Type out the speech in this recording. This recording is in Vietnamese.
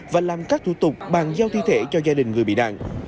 và làm các thủ tục bàn giao thi thể cho gia đình người bị nạn